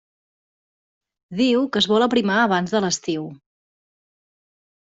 Diu que es vol aprimar abans de l'estiu.